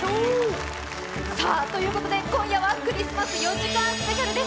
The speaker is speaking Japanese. さあ、今夜はクリスマス４時間スペシャルです。